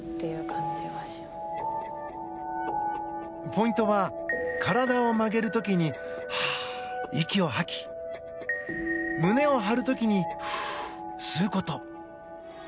ポイントは体を曲げる時に息を吐き胸を張る時に吸うこと。